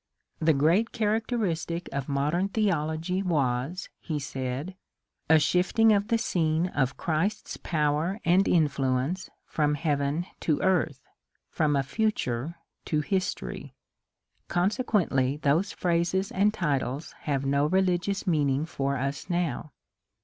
The great characteristic of modern the ology was, he said, a shifting of the scene of Christ's power and influence from heaven to earth, from a future to history, — consequently those phrases and titles have no religious meaning for us now.